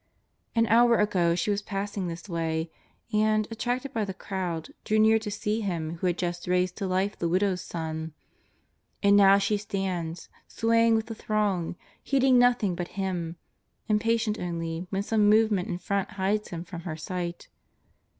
An hour ago she was passing this way, and, attracted by the crowd, drew near to see Him who had just raised 'to life the widow's son. And now she stands, swaying with the throng, heeding nothing but Him, impatient only when some movement in front hides Him from her sight.